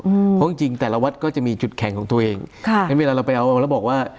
อืมเพราะจริงจริงแต่ละวัดก็จะมีจุดแข็งของตัวเองค่ะงั้นเวลาเราไปเอาแล้วบอกว่า